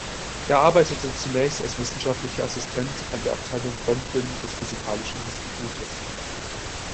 Er arbeitete zunächst als wissenschaftlicher Assistent an der Abteilung Röntgen des Physikalischen Institutes.